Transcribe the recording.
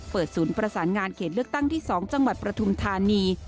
ศูนย์ประสานงานเขตเลือกตั้งที่๒จังหวัดประทุมธานี